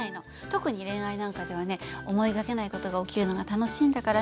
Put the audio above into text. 特に恋愛なんかではね思いがけない事が起きるのが楽しいんだから。